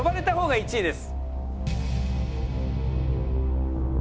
１位です。